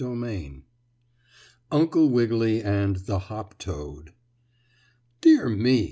STORY XXV UNCLE WIGGILY AND THE HOPTOAD "Dear me!"